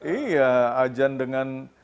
iya ajan dengan